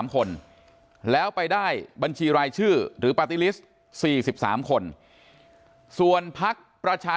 ๓คนแล้วไปได้บัญชีรายชื่อหรือปาร์ตี้ลิสต์๔๓คนส่วนพักประชา